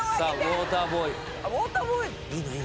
ウォーターボーイ？